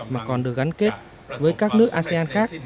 mà còn được gắn kết với các nước asean khác